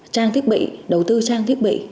trang thiết bị đầu tư trang thiết bị